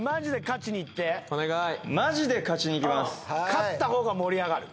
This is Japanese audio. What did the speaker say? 勝った方が盛り上がる。